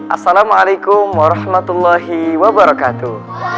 assalamualaikum warahmatullahi wabarakatuh